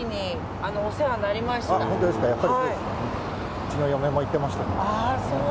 うちの嫁も言ってました。